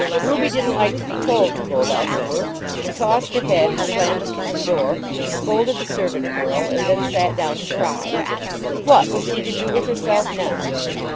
Ruby didn't like to be told to go about her work, and tossed her head, and slammed the kitchen door, and scolded the servant girl, and then sat down to cry. What was she to do with herself now?